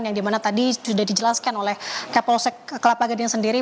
yang dimana tadi sudah dijelaskan oleh kapolsek kelapa gading sendiri